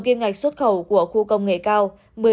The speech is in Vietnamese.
tiền ngạch xuất khẩu của khu công nghệ cao